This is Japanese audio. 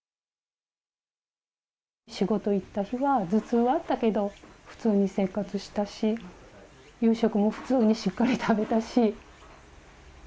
仕事行った日は、頭痛はあったけど、普通に生活したし、夕食も普通にしっかり食べたし。